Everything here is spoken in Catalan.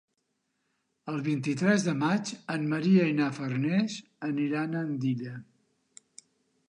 El vint-i-tres de maig en Maria i na Farners aniran a Andilla.